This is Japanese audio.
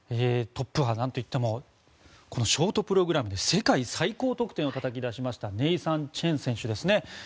トップはなんといってもこのショートプログラムで世界最高得点をたたき出しましたネイサン・チェン選手ですね。